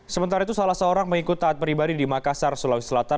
sementara itu salah seorang pengikut taat pribadi di makassar sulawesi selatan